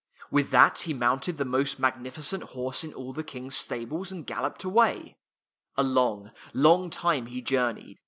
With that he mounted the most magnifi cent horse in all the King's stables, and galloped away. A long, long time he journeyed.